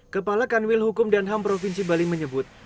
kepala kanwil hukum dan ham provinsi bali menyebut